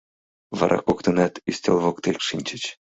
Вара коктынат ӱстел воктек шинчыч.